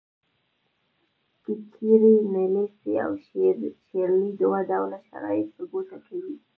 کیکیري، نیلیس او شیرلي دوه ډوله شرایط په ګوته کوي.